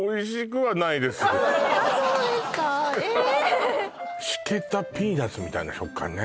えしけたピーナツみたいな食感ね・